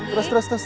terus terus terus